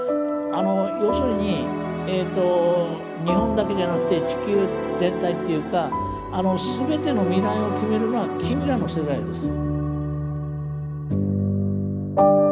要するにえっと日本だけじゃなくて地球全体っていうか全ての未来を決めるのは君らの世代です。